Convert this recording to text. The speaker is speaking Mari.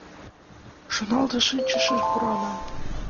Шоҥалтын шинчыше пурана.